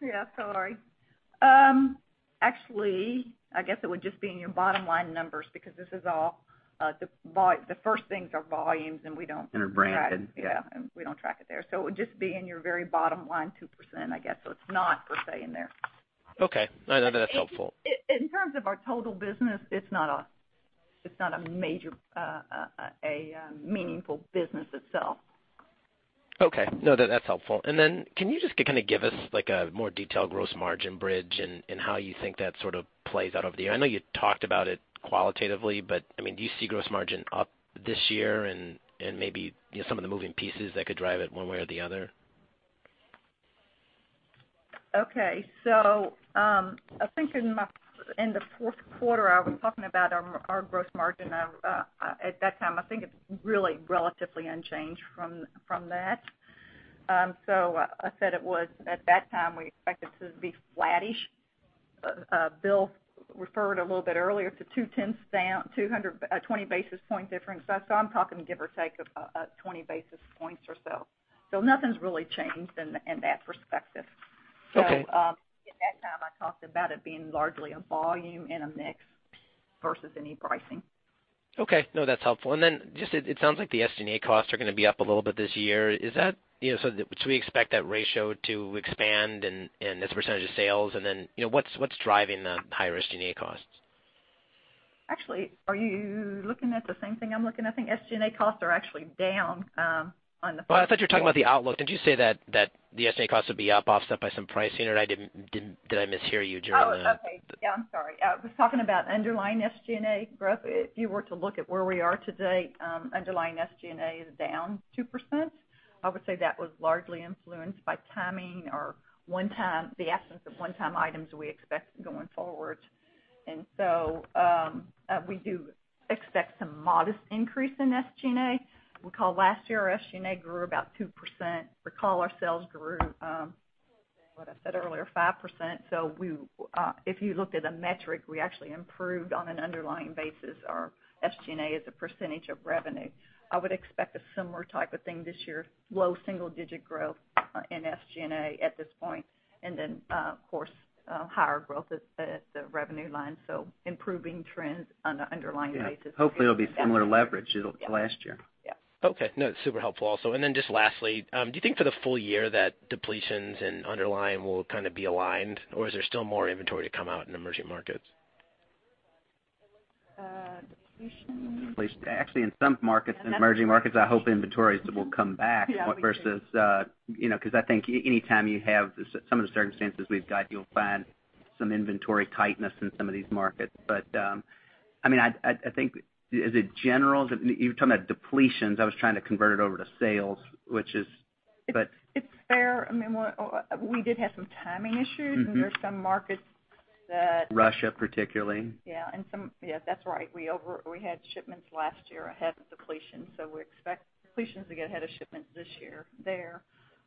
Yeah. Sorry. Actually, I guess it would just be in your bottom line numbers because the first things are volumes, and we don't-
Are branded. Yeah.
Yeah. We don't track it there. It would just be in your very bottom line, 2%, I guess. It's not per se in there.
Okay. No, that's helpful.
In terms of our total business, it's not a major, a meaningful business itself.
Okay. No, that's helpful. Then can you just give us a more detailed gross margin bridge and how you think that plays out over the year? I know you talked about it qualitatively, but do you see gross margin up this year and maybe some of the moving pieces that could drive it one way or the other?
Okay. I think in the fourth quarter, I was talking about our gross margin. At that time, I think it's really relatively unchanged from that. I said it was, at that time, we expected to be flattish. Bill referred a little bit earlier to 20 basis point difference. I'm talking give or take of 20 basis points or so. Nothing's really changed in that perspective.
Okay.
At that time, I talked about it being largely a volume and a mix versus any pricing.
Okay. No, that's helpful. It sounds like the SG&A costs are going to be up a little bit this year. Should we expect that ratio to expand as a % of sales, what's driving the higher SG&A costs?
Actually, are you looking at the same thing I'm looking at? I think SG&A costs are actually down on the fourth quarter.
Well, I thought you were talking about the outlook. Didn't you say that the SG&A costs would be up, offset by some pricing, or did I mishear you?
Oh, okay. Yeah, I'm sorry. I was talking about underlying SG&A growth. If you were to look at where we are today, underlying SG&A is down 2%. I would say that was largely influenced by timing or the absence of one-time items we expect going forward. We do expect some modest increase in SG&A. Recall last year, our SG&A grew about 2%. Recall our sales grew, what I said earlier, 5%. If you looked at a metric, we actually improved on an underlying basis, our SG&A as a percentage of revenue. I would expect a similar type of thing this year, low single-digit growth in SG&A at this point. Of course, higher growth at the revenue line, so improving trends on an underlying basis.
Yeah. Hopefully it'll be similar leverage to last year.
Yes.
Okay. No, super helpful also. Just lastly, do you think for the full year that depletions and underlying will kind of be aligned, or is there still more inventory to come out in emerging markets?
Depletions.
Actually, in some markets, in emerging markets, I hope inventories will come back.
Yeah.
I think any time you have some of the circumstances we've got, you'll find some inventory tightness in some of these markets. I think, you were talking about depletions. I was trying to convert it over to sales.
It's fair. We did have some timing issues. There's some markets.
Russia particularly.
Yeah, that's right. We had shipments last year ahead of depletions. We expect depletions to get ahead of shipments this year there.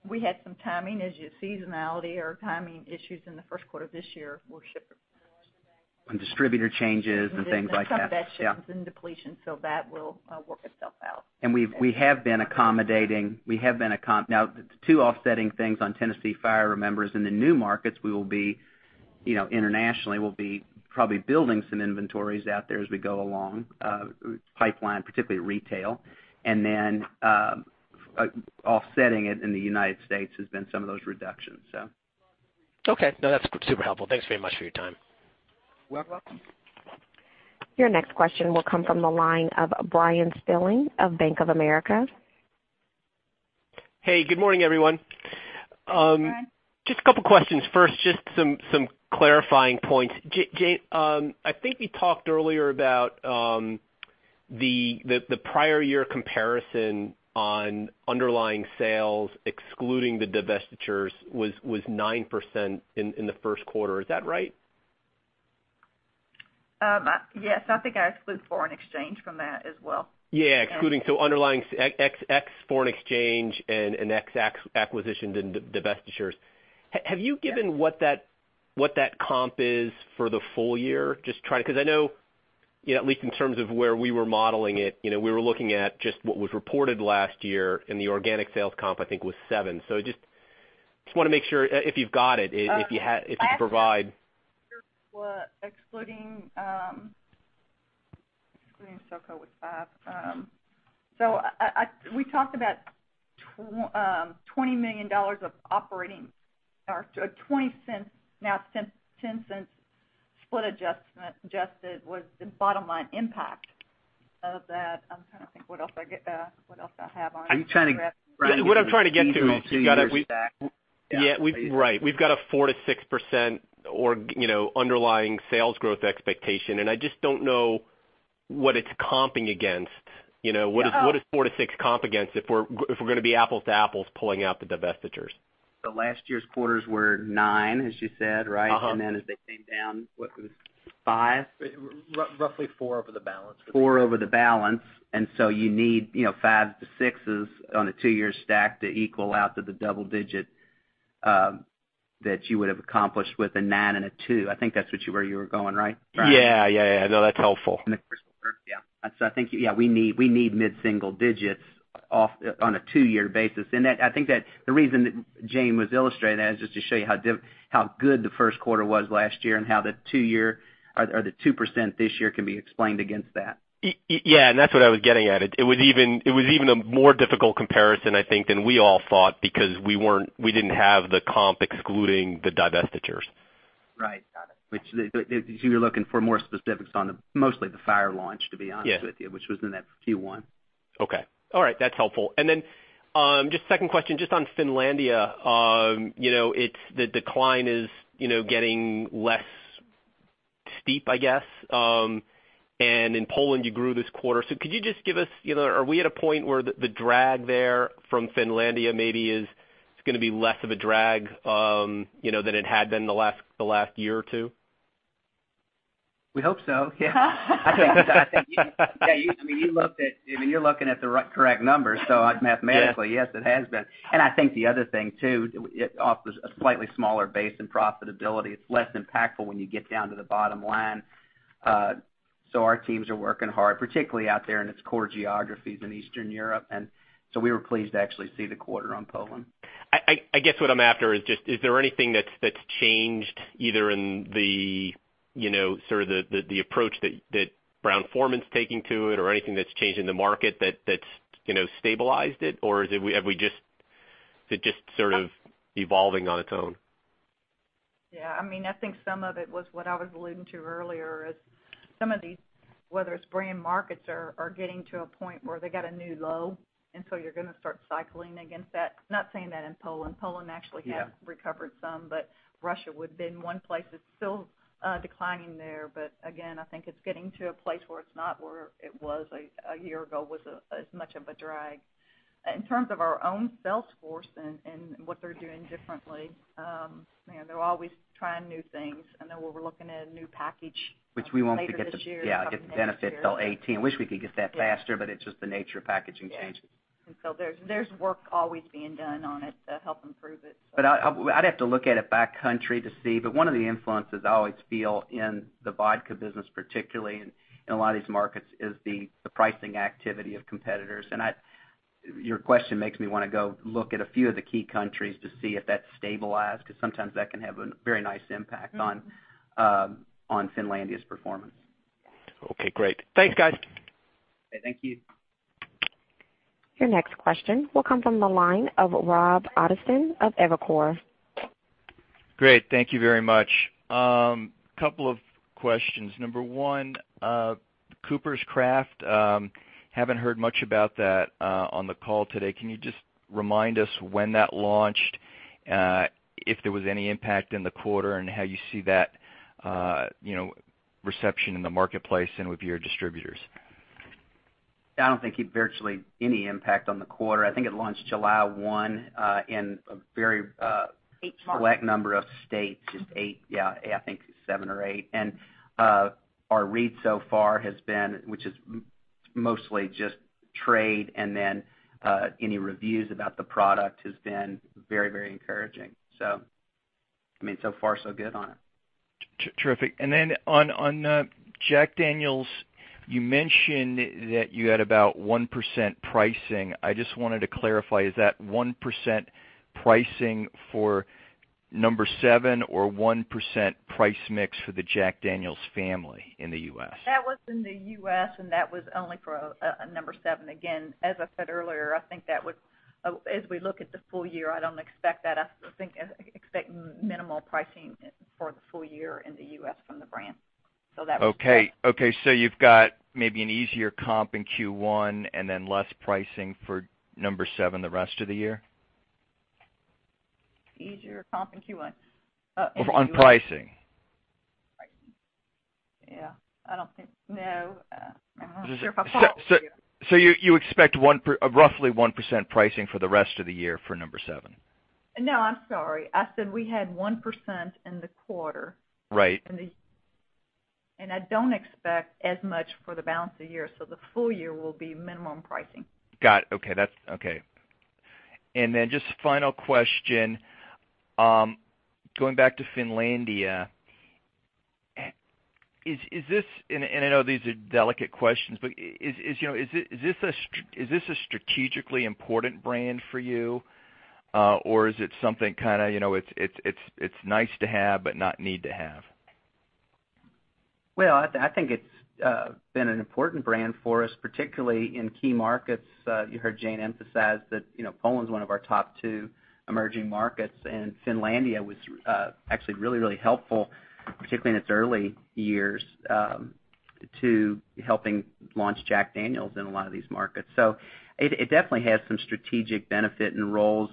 We had some timing issue, seasonality or timing issues in the first quarter of this year with shipments.
Distributor changes and things like that.
Some divestitures and depletions, that will work itself out.
We have been accommodating. Now, two offsetting things on Tennessee Fire, remember, is in the new markets, internationally, we'll be probably building some inventories out there as we go along, pipeline, particularly retail. Then offsetting it in the U.S. has been some of those reductions.
Okay. No, that's super helpful. Thanks very much for your time.
You're welcome.
Your next question will come from the line of Bryan Spillane of Bank of America.
Hey, good morning, everyone.
Hey, Bryan.
Just a couple of questions. First, just some clarifying points. Jane, I think you talked earlier about the prior year comparison on underlying sales, excluding the divestitures, was 9% in the first quarter. Is that right?
Yes. I think I exclude foreign exchange from that as well.
Yeah, excluding, underlying ex foreign exchange and ex acquisitions and divestitures.
Yes.
Have you given what that comp is for the full year? I know, at least in terms of where we were modeling it, we were looking at just what was reported last year, and the organic sales comp, I think, was seven. Just want to make sure if you've got it, if you could provide.
Last year was excluding SoCo was five. We talked about $20 million of operating, or $0.20, now $0.10 split adjustment, was the bottom line impact of that. I'm trying to think what else I have on here.
I'm trying to get to.
What I'm trying to get to is we've got a 4% to 6% underlying sales growth expectation. I just don't know what it's comping against. What is 4% to 6% comp against if we're going to be apples to apples pulling out the divestitures?
last year's quarters were nine, as you said, right? As they came down, what was it, five?
Roughly four over the balance.
Four over the balance. You need five to sixes on a two-year stack to equal out to the double digit that you would have accomplished with a nine and a two. I think that's where you were going, right, Brian?
That's helpful.
I think, we need mid-single digits on a two-year basis. I think that the reason that Jane was illustrating that is just to show you how good the first quarter was last year and how the 2% this year can be explained against that.
That's what I was getting at. It was even a more difficult comparison, I think, than we all thought because we didn't have the comp excluding the divestitures.
Got it. You're looking for more specifics on mostly the Fire launch, to be honest with you.
Yeah.
Which was in that Q1.
Okay. All right. That's helpful. Just second question, just on Finlandia. The decline is getting less steep, I guess. In Poland, you grew this quarter. Could you just give us, are we at a point where the drag there from Finlandia maybe is going to be less of a drag than it had been the last year or two?
We hope so, yeah. You're looking at the correct numbers, mathematically, yes, it has been. I think the other thing, too, it offers a slightly smaller base in profitability. It's less impactful when you get down to the bottom line. Our teams are working hard, particularly out there in its core geographies in Eastern Europe, we were pleased to actually see the quarter on Poland.
I guess what I'm after is just, is there anything that's changed either in the sort of the approach that Brown-Forman's taking to it or anything that's changed in the market that's stabilized it? Or is it just sort of evolving on its own?
Yeah, I think some of it was what I was alluding to earlier is some of these, whether it's brand markets are getting to a point where they got a new low, and so you're going to start cycling against that. Not saying that in Poland. Poland actually have recovered some, but Russia would have been one place that's still declining there. Again, I think it's getting to a place where it's not where it was a year ago, was as much of a drag. In terms of our own sales force and what they're doing differently, they're always trying new things. Then we're looking at a new package later this year-
Which we won't get the-
or probably next year
benefits till 2018. Wish we could get that faster, but it's just the nature of packaging changes.
Yeah. There's work always being done on it to help improve it.
I'd have to look at it back country to see. One of the influences I always feel in the vodka business, particularly in a lot of these markets, is the pricing activity of competitors. Your question makes me want to go look at a few of the key countries to see if that's stabilized, because sometimes that can have a very nice impact on Finlandia's performance.
Okay, great. Thanks, guys.
Thank you.
Your next question will come from the line of Rob Ottenstein of Evercore.
Great. Thank you very much. Couple of questions. Number 1, Coopers' Craft, haven't heard much about that on the call today. Can you just remind us when that launched, if there was any impact in the quarter, and how you see that reception in the marketplace and with your distributors?
I don't think it had virtually any impact on the quarter. I think it launched July 1.
Eight markets.
select number of states. Just 8, yeah. I think 7 or 8. Our read so far has been, which is mostly just trade and then any reviews about the product, has been very encouraging. So far so good on it.
Terrific. On Jack Daniel's, you mentioned that you had about 1% pricing. I just wanted to clarify, is that 1% pricing for No. 7 or 1% price mix for the Jack Daniel's family in the U.S.?
That was in the U.S., and that was only for No. 7. Again, as I said earlier, as we look at the full year, I expect minimal pricing for the full year in the U.S. from the brand.
Okay. You've got maybe an easier comp in Q1, and then less pricing for No. 7 the rest of the year?
Easier comp in Q1. Oh, in Q1.
On pricing.
Pricing. Yeah. I don't think No. I'm not sure if I follow you.
You expect roughly 1% pricing for the rest of the year for No. 7?
No, I'm sorry. I said we had 1% in the quarter.
Right.
I don't expect as much for the balance of the year, the full year will be minimum pricing.
Got it. Okay. Then just final question, going back to Finlandia. I know these are delicate questions, but is this a strategically important brand for you? Is it something kind of, it's nice to have but not need to have?
Well, I think it's been an important brand for us, particularly in key markets. You heard Jane emphasize that Poland's one of our top two emerging markets, and Finlandia was actually really helpful, particularly in its early years, to helping launch Jack Daniel's in a lot of these markets. It definitely has some strategic benefit and roles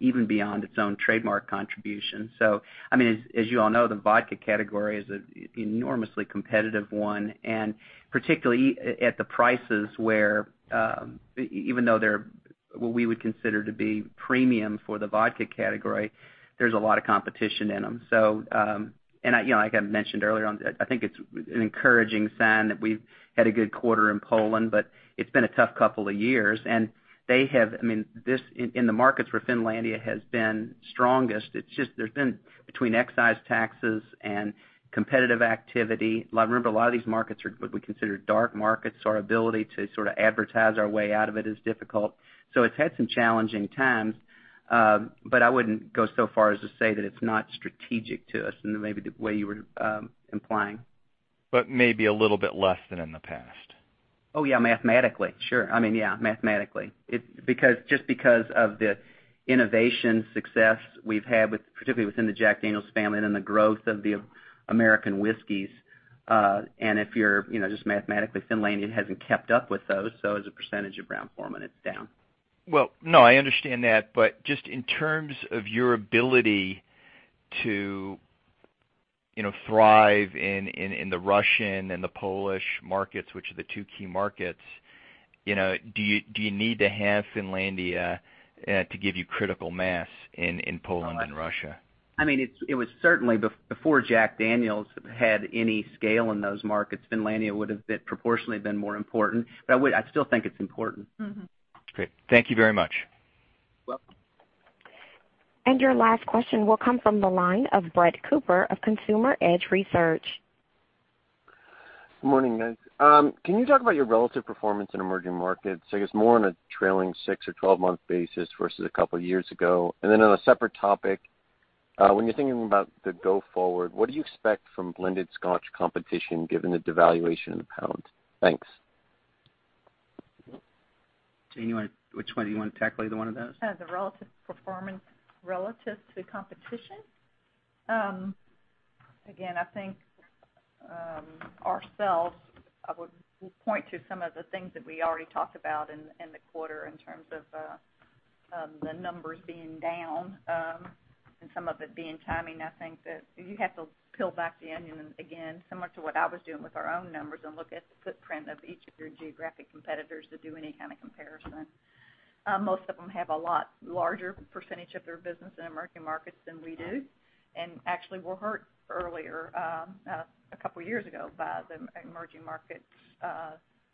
even beyond its own trademark contribution. As you all know, the vodka category is an enormously competitive one, and particularly at the prices where, even though they're what we would consider to be premium for the vodka category, there's a lot of competition in them. Like I mentioned earlier on, I think it's an encouraging sign that we've had a good quarter in Poland, but it's been a tough couple of years. In the markets where Finlandia has been strongest, between excise taxes and competitive activity. Remember, a lot of these markets are what we consider dark markets. Our ability to advertise our way out of it is difficult. It's had some challenging times. I wouldn't go so far as to say that it's not strategic to us in maybe the way you were implying.
Maybe a little bit less than in the past.
Oh, yeah, mathematically. Sure. Just because of the innovation success we've had, particularly within the Jack Daniel's family, and the growth of the American whiskeys. If you're just mathematically, Finlandia hasn't kept up with those, so as a percentage of Brown-Forman, it's down.
No, I understand that, but just in terms of your ability to thrive in the Russian and the Polish markets, which are the two key markets, do you need to have Finlandia to give you critical mass in Poland and Russia?
It was certainly before Jack Daniel's had any scale in those markets, Finlandia would've proportionally been more important. I still think it's important.
Great. Thank you very much.
Welcome.
Your last question will come from the line of Brett Cooper of Consumer Edge Research.
Good morning, guys. Can you talk about your relative performance in emerging markets? I guess more on a trailing six or 12-month basis versus a couple of years ago. On a separate topic, when you're thinking about the go forward, what do you expect from blended Scotch competition given the devaluation of the pound? Thanks.
Jane, which one do you want to tackle, either one of those?
The relative performance relative to competition. I think, ourselves, I would point to some of the things that we already talked about in the quarter in terms of the numbers being down, and some of it being timing. I think that you have to peel back the onion again, similar to what I was doing with our own numbers, and look at the footprint of each of your geographic competitors to do any kind of comparison. Most of them have a lot larger percentage of their business in emerging markets than we do. Actually were hurt earlier, a couple years ago by the emerging markets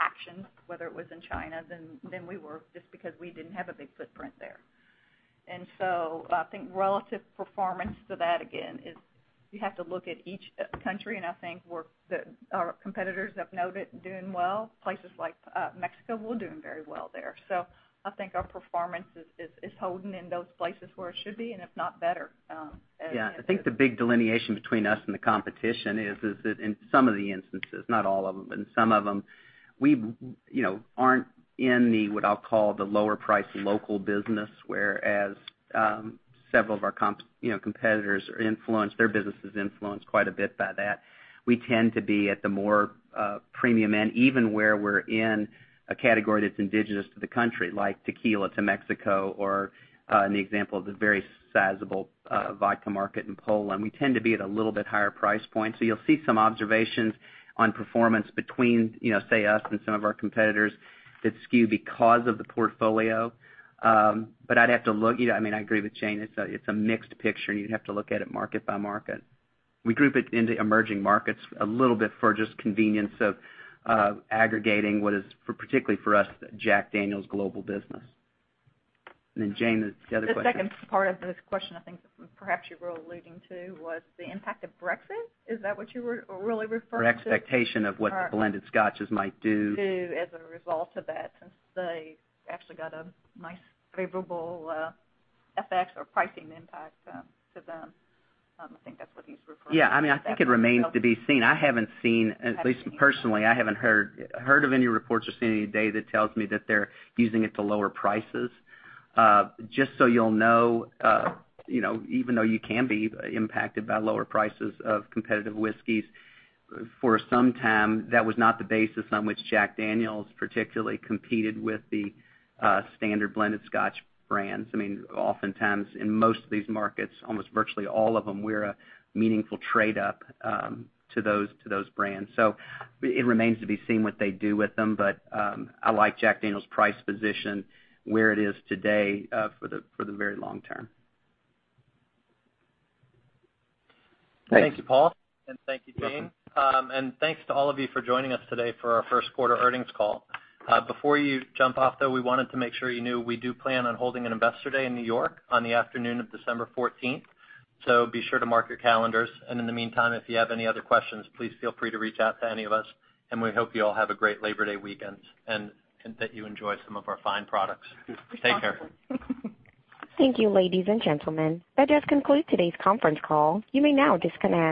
action, whether it was in China, than we were, just because we didn't have a big footprint there. I think relative performance to that, again, is you have to look at each country, and I think our competitors have noted doing well. Places like Mexico, we're doing very well there. I think our performance is holding in those places where it should be, and if not better.
Yeah. I think the big delineation between us and the competition is that in some of the instances, not all of them, but in some of them, we aren't in the, what I'll call, the lower priced local business, whereas several of our competitors, their business is influenced quite a bit by that. We tend to be at the more premium end, even where we're in a category that's indigenous to the country, like tequila to Mexico or an example of the very sizable vodka market in Poland. We tend to be at a little bit higher price point. You'll see some observations on performance between, say, us and some of our competitors that skew because of the portfolio. I'd have to look. I agree with Jane, it's a mixed picture, and you'd have to look at it market by market. We group it into emerging markets a little bit for just convenience of aggregating what is, particularly for us, the Jack Daniel's global business. Jane, the other question?
The second part of this question, I think perhaps you were alluding to, was the impact of Brexit. Is that what you were really referring to?
Expectation of what the blended scotches might do.
Do as a result of that, since they actually got a nice favorable effect or pricing impact to them. I think that's what he's referring to.
Yeah. I think it remains to be seen. At least personally, I haven't heard of any reports or seen any data that tells me that they're using it to lower prices. Just so you'll know, even though you can be impacted by lower prices of competitive whiskeys, for some time, that was not the basis on which Jack Daniel's particularly competed with the standard blended Scotch brands. Oftentimes, in most of these markets, almost virtually all of them, we're a meaningful trade up to those brands. It remains to be seen what they do with them. I like Jack Daniel's price position where it is today, for the very long term.
Thank you, Paul, and thank you, Jane. Thanks to all of you for joining us today for our first quarter earnings call. Before you jump off, though, we wanted to make sure you knew we do plan on holding an investor day in New York on the afternoon of December 14th. Be sure to mark your calendars, and in the meantime, if you have any other questions, please feel free to reach out to any of us. We hope you all have a great Labor Day weekend, and that you enjoy some of our fine products. Take care.
Thank you, ladies and gentlemen. That does conclude today's conference call. You may now disconnect.